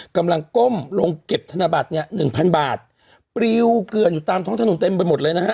กำลังก้มลงเก็บธนบัตรเนี่ยหนึ่งพันบาทปริวเกลือนอยู่ตามท้องถนนเต็มไปหมดเลยนะฮะ